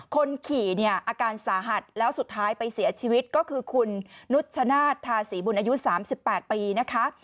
คนขี่เนี่ยอาการสาหัสแล้วสุดท้ายไปเสียชีวิตก็คือคุณนุชชนาธาศรีบุญอายุ๓๘ปีนะคะ